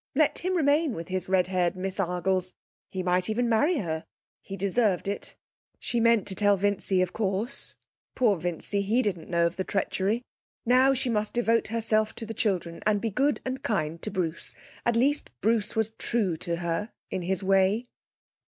Let him remain with his red haired Miss Argles! He might even marry her. He deserved it. She meant to tell Vincy, of course. Poor Vincy, he didn't know of the treachery. Now she must devote herself to the children, and be good and kind to Bruce. At least, Bruce was true to her in his way.